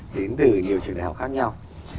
đến từ nhiều trường đại học khác nhau